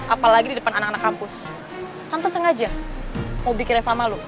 apalagi di depan anak anak kampus tanpa sengaja mau bikin eva malu